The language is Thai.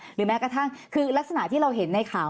หรือแม้กระทั่งคือลักษณะที่เราเห็นในข่าว